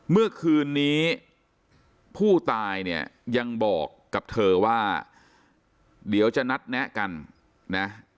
เมื่อคืนนี้ผู้ตายเนี่ยยังบอกกับเธอว่าเดี๋ยวจะนัดแนะกันนะ